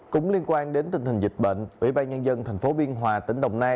cũng liên quan đến tình hình dịch bệnh ủy ban nhân dân tp biên hòa tỉnh đồng nai